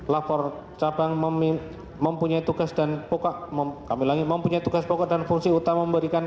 lapor cabang mempunyai tugas pokok dan fungsi utama memberikan